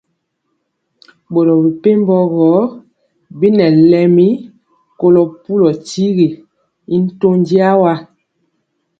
Boro mɛ pɛmbɔ rori yɛɛ bi nɛ lɛmi kolo pulu tyigi y ntɔndi wa.